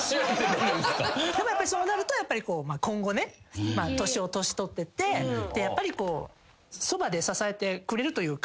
そうなるとやっぱり今後ね年取ってってやっぱりこうそばで支えてくれるというか。